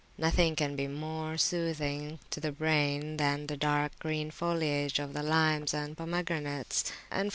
Nothing can be more soothing to the brain than the dark green foliage of the limes and pomegranates; and from [p.